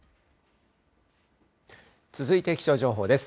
続いて気象情報です。